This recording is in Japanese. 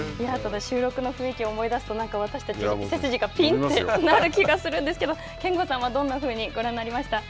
収録の雰囲気を思い出すとなんか私たち、背筋がピンってなる気がするんですけど、憲剛さんはどんなふうにご覧になりましたか。